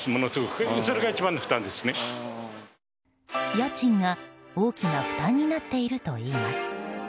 家賃が大きな負担になっているといいます。